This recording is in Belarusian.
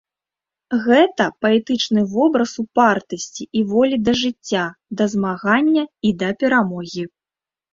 Гэта паэтычны вобраз упартасці і волі да жыцця, да змагання і да перамогі.